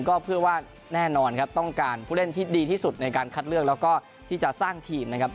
ก็เพื่อว่าแน่นอนครับต้องการผู้เล่นที่ดีที่สุดในการคัดเลือกแล้วก็ที่จะสร้างทีมนะครับ